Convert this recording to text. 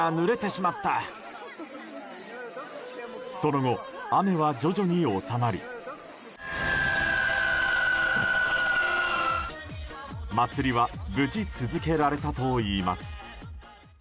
その後、雨は徐々に収まり祭りは無事、続けられたといいます。